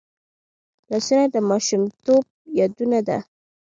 لاسونه د ماشومتوب یادونه ده